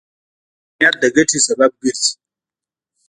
ښه نیت د ګټې سبب ګرځي.